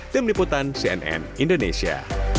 tim liputan cnn indonesia